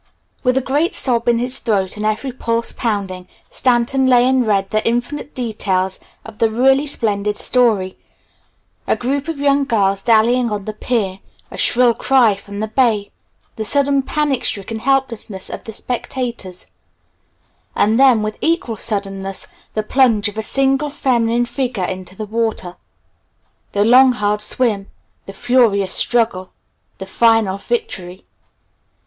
With a great sob in his throat and every pulse pounding, Stanton lay and read the infinite details of the really splendid story; a group of young girls dallying on the Pier; a shrill cry from the bay; the sudden panic stricken helplessness of the spectators, and then with equal suddenness the plunge of a single, feminine figure into the water; the long hard swim; the furious struggle; the final victory.